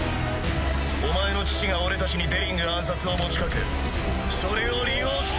お前の父が俺たちにデリング暗殺を持ちかけそれを利用した。